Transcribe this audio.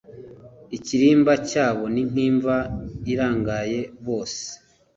Ikirimba cyabo ni nk imva irangaye bose